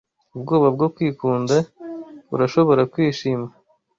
ubwoba bwo kwikunda! Urashobora kwishima